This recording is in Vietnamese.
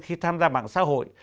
khi tham gia mạng xã hội